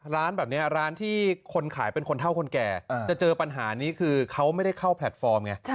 ร้านแบบนี้ร้านที่คนขายเป็นคนเท่าคนแก่จะเจอปัญหานี้คือเขาไม่ได้เข้าแพลตฟอร์มไง